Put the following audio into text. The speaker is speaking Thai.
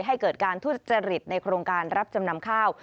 ให้เกิดการทุจริตในโครงการรับจำนำข้าว